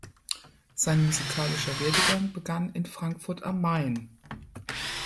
Sein musikalischer Werdegang begann in Frankfurt am Main.